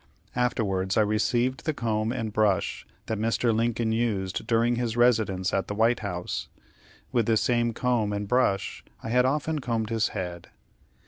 Afterwards I received the comb and brush that Mr. Lincoln used during his residence at the White House. With this same comb and brush I had often combed his head.